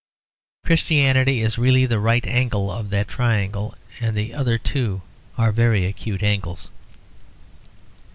Christianity is really the right angle of that triangle, and the other two are very acute angles.